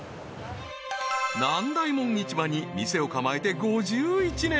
［南大門市場に店を構えて５１年］